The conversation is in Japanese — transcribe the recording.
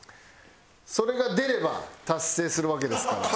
それが出れば達成するわけですから。